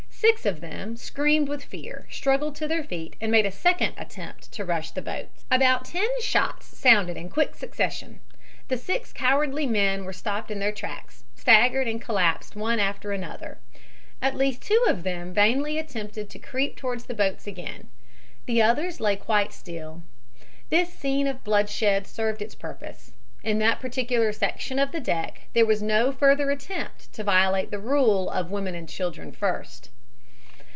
Six of them, screamed with fear, struggled to their feet and made a second attempt to rush to the boats. About ten shots sounded in quick succession. The six cowardly men were stopped in their tracks, staggered and collapsed one after another. At least two of them vainly attempted to creep toward the boats again. The others lay quite still. This scene of bloodshed served its purpose. In that particular section of the deck there was no further attempt to violate the rule of "women and children first."